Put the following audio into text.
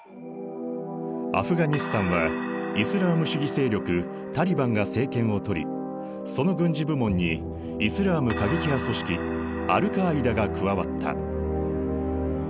アフガニスタンはイスラーム主義勢力タリバンが政権をとりその軍事部門にイスラーム過激派組織アルカーイダが加わった。